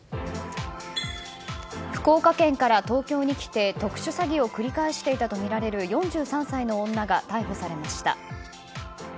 福岡県から東京に来て特殊詐欺を繰り返していたとみられる４３歳の女が逮捕されました。